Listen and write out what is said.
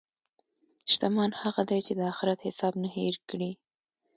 شتمن هغه دی چې د اخرت حساب نه هېر کړي.